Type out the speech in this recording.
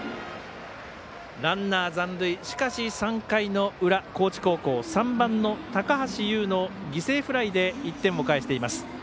ランナー残塁しかし、３回の裏高知高校、３番の高橋友の犠牲フライで１点を返しています。